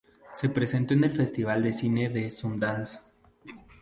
Se presentó en el Festival de Cine de Sundance.